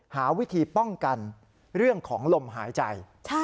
หาวิธีป้องกันเรื่องของลมหายใจ